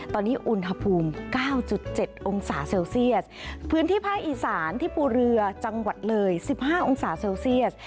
ตอนนี้อุณหภูมิ๙๗องศาเซลเซียสพื้นที่ภาคอีสานที่ภูเรือจังหวัดเลย๑๕องศาเซลเซียส